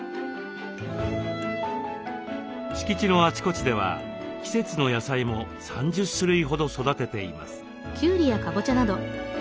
敷地のあちこちでは季節の野菜も３０種類ほど育てています。